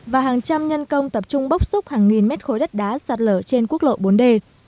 và hàng trăm nhân công tập trung bốc xúc hàng nghìn mét khối đất đá sạt lở trên quốc lộ bốn d